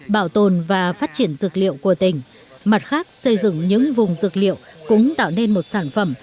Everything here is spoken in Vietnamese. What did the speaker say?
bảo tồn và phát triển dược liệu của tỉnh mặt khác xây dựng những vùng dược liệu cũng tạo nên một sản phẩm